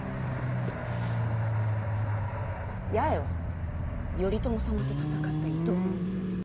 八重は頼朝様と戦った伊東の娘。